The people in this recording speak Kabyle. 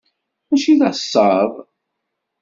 Mačči d asaḍ.